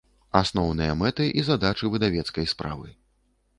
Асноўныя мэты i задачы выдавецкай справы